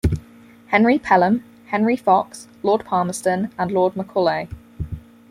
Henry Pelham, Henry Fox, Lord Palmerston and Lord Macaulay.